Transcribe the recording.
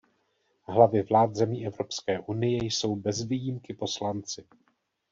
Hlavy vlád zemí Evropské unie jsou bez výjimky poslanci.